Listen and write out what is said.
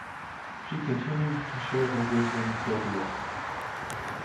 She continued to share her wisdom till the end.